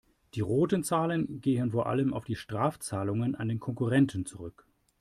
Die roten Zahlen gehen vor allem auf die Strafzahlungen an den Konkurrenten zurück.